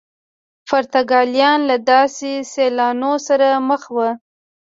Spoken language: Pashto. پرتګالیان له داسې سیالانو سره مخ وو.